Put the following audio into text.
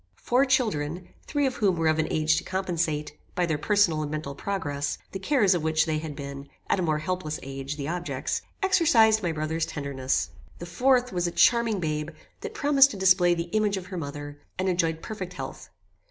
Four children, three of whom were of an age to compensate, by their personal and mental progress, the cares of which they had been, at a more helpless age, the objects, exercised my brother's tenderness. The fourth was a charming babe that promised to display the image of her mother, and enjoyed perfect health.